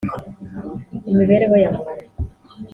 imibereho ya muntu